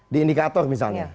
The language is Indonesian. di indikator misalnya